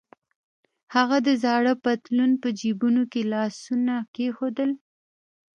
هغه د زاړه پتلون په جبونو کې لاسونه کېښودل.